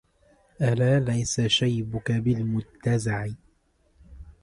ألا ليس شيبك بالمتزع